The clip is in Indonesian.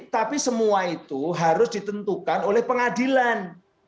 tapi semua itu harus ditentukan oleh pengadilan